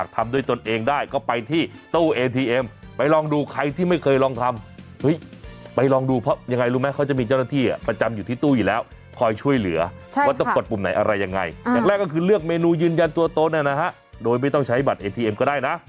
ต้องกดปุ่มไหนอะไรยังไงอ่าอย่างแรกก็คือเลือกเมนูยืนยันตัวตนเนี่ยนะฮะโดยไม่ต้องใช้บัตรเอ็ททีเอ็มก็ได้นะ